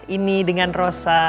ini dengan rosa